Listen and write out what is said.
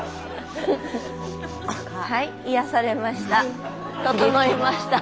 はい癒やされました。